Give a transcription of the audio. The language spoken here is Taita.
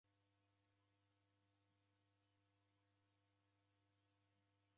W'aw'ongeri w'adaghuyana chofi.